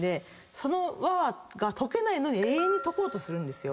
その輪が解けないのに永遠に解こうとするんですよ。